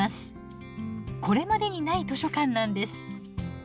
これまでにない図書館なんです。